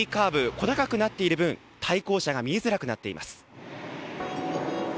小高くなっている分対向車が見えづらくなっています。